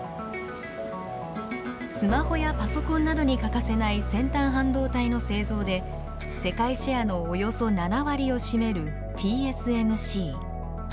スマホやパソコンなどに欠かせない先端半導体の製造で世界シェアのおよそ７割を占めるＴＳＭＣ。